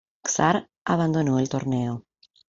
Ksar abandonó el torneo.